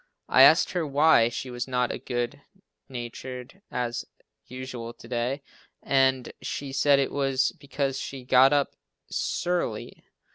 I asked her why she was not as good natured as usual to day and she said it was because she got up "s'urly."